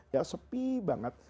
ya sepi banget